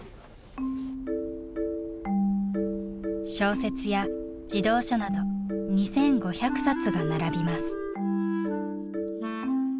小説や児童書など２，５００冊が並びます。